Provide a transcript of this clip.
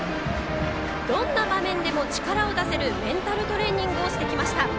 どんな場面でも力を出せるメンタルトレーニングをしてきました。